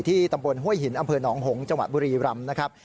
ตำบลห้วยหินอำเภอหนองหงษ์จังหวัดบุรีรำนะครับ